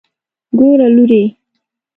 ګوره لورې.